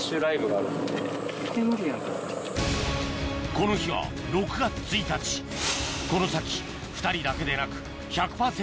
この日は６月１日この先２人だけでなく１００％